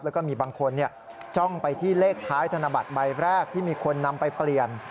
แล้วก็มีบางคนจ้องไปที่เลขท้ายธนบัตรใบแรกที่มีคนนำไปเปลี่ยน